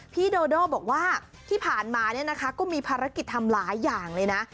พี่โดด้บอกว่าที่ผ่านมาก็มีภารกิจทำหลายอย่างเลยนะ